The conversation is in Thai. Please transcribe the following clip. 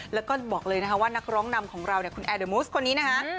แล้วก็บอกเลยนะคะว่านักร้องนำของเราเนี่ยคุณแอร์เดอร์มูสคนนี้นะคะ